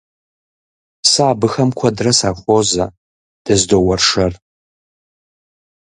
Сэ абыхэм куэдрэ сахуозэ, дызэдоуэршэр.